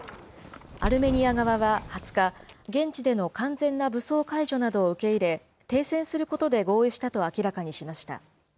アルメニア側は２０日、現地での完全な武装解除などを受け入れ、停戦することで合意したと明らかにしました。